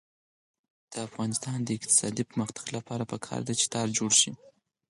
د افغانستان د اقتصادي پرمختګ لپاره پکار ده چې تار جوړ شي.